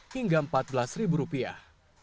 hingga empat belas ribu rupiah